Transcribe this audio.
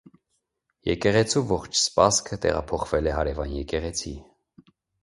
Եկեղեցու ողջ սպասքը տեղափոխվել է հարևան եկեղեցի։